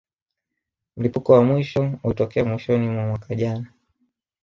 Mlipuko wa mwisho ulitokea mwishoni mwa mwaka jana